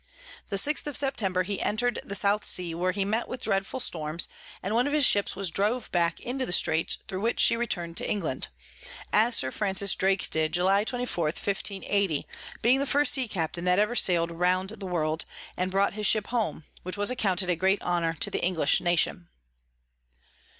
The 6_th_ of September he enter'd the South Sea, where he met with dreadful Storms, and one of his Ships was drove back into the Straits, thro which she return'd to England; as Sir Francis Drake did July 24. 1580. being the first Sea Captain that ever sail'd round the World, and brought his Ship home, which was accounted a great Honour to the English Nation.